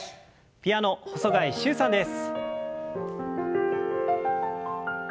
ピアノ細貝柊さんです。